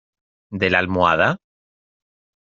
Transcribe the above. de la almohada?